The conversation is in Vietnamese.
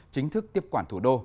chính thức tiếp quản thủ đô